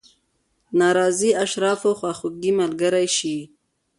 ناراضي اشرافو خواخوږي ملګرې شي.